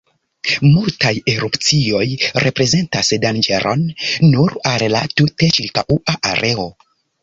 Multaj erupcioj reprezentas danĝeron nur al la tute ĉirkaŭa areo.